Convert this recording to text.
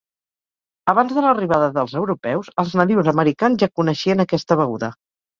Abans de l'arribada dels europeus els nadius americans ja coneixien aquesta beguda.